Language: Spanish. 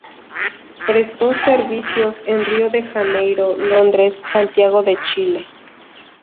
Prestó servicios en Río de Janeiro, Londres, Santiago de Chile.